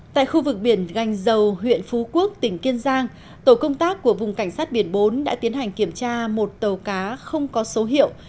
tại khu vực biển gành dầu huyện phú quốc tỉnh kiên giang tổ công tác của vùng cảnh sát biển bốn đã tiến hành kiểm tra một tàu cá không có số hiệu